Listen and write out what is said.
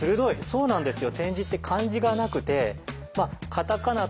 そうなんですよ。